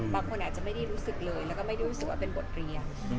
บางคนอาจจะไม่ได้รู้สึกเลยแล้วก็ไม่ได้รู้สึกว่าเป็นบทเรียน